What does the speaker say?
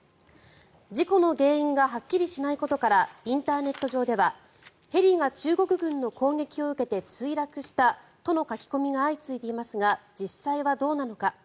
事故の原因がはっきりしないことからインターネット上ではヘリが中国軍の攻撃を受けて墜落したとの書き込みが相次いでいますが実際はどうなのか。